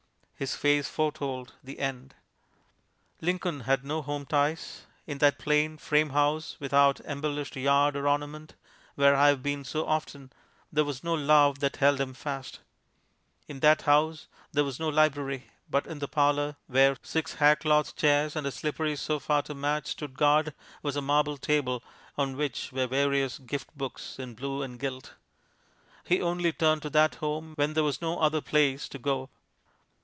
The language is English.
His face foretold the end. Lincoln had no home ties. In that plain, frame house, without embellished yard or ornament, where I have been so often, there was no love that held him fast. In that house there was no library, but in the parlor, where six haircloth chairs and a slippery sofa to match stood guard, was a marble table on which were various giftbooks in blue and gilt. He only turned to that home when there was no other place to go.